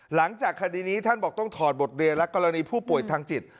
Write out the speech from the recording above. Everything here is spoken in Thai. หลังจากคดีนี้ท่านบอกต้องถอดบทเรียนและกรณีผู้ป่วยทางจิต